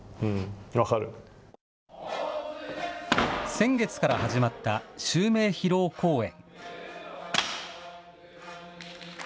先月から始まった襲名披露公演。